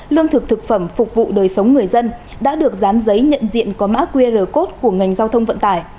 lương thực thực phẩm phục vụ đời sống người dân đã được dán giấy nhận diện có mã qr code của ngành giao thông vận tải